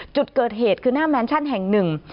จุดเกิดเหตุคือหน้าแมนชั่นแห่งหนึ่ง